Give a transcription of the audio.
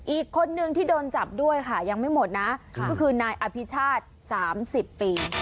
อีกคนนึงที่โดนจับด้วยค่ะยังไม่หมดนะก็คือนายอภิชาติ๓๐ปี